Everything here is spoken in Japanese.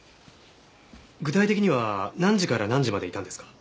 具体的には何時から何時までいたんですか？